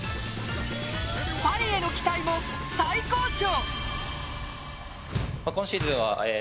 パリへの期待も最高潮！